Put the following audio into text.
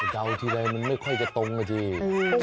เดาทีใดมันไม่ค่อยจะตรงอ่ะจริง